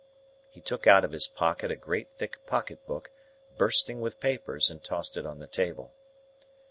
He took out of his pocket a great thick pocket book, bursting with papers, and tossed it on the table.